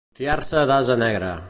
Fiar-se d'ase negre.